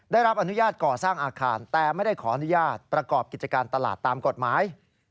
ได้รับอนุญาตก่อสร้างอาคารแต่ไม่ได้ขออนุญาตประกอบกิจการตลาดตามกฎหมาย